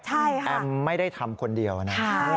แอมไม่ได้ทำคนเดียวนะ